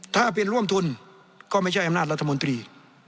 ถ้าเป็นร่วมทุนก็ไม่ใช่อำนาจรัฐมนตรี